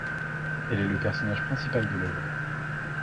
Elle est le personnage principal de l'œuvre.